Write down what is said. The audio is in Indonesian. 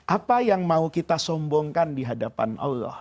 apa yang mau kita sombongkan dihadapan allah